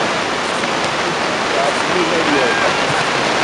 Yessefk ɣef Yuba ad yerbeḥ.